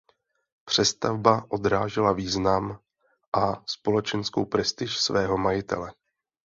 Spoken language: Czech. Přestavba odrážela význam a společenskou prestiž svého majitele.